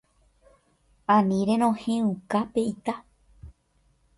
Ani renohẽuka pe ita